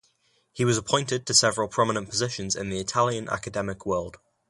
He was appointed to several prominent positions in the Italian academic world.